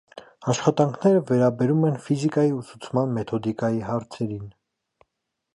Աշխատանքները վերաբերում են ֆիզիկայի ուսուցման մեթոդիկայի հարցերին։